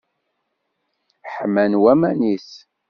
Ḥman waman-is.